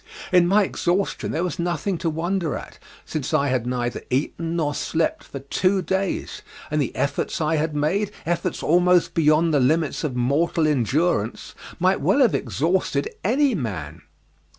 In my exhaustion there was nothing to wonder at, since I had neither eaten nor slept for two days, and the efforts I had made efforts almost beyond the limits of mortal endurance might well have exhausted any man.